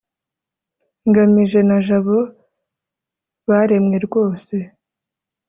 ngamije na jabo baremwe rwose